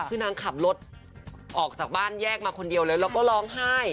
คือนางขับรถออกจากบ้านแยกมาคนเดียวเลยแล้วก็ร้องไห้